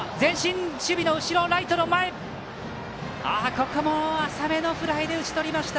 ここも浅めのフライで打ち取りました。